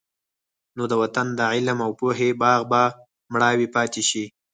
نو د وطن د علم او پوهې باغ به مړاوی پاتې شي.